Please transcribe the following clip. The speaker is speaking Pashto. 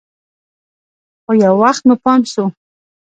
خو يو وخت مو پام سو.